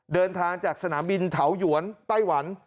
เดินทางจากสนามบินเถาหยวนไต้หวัน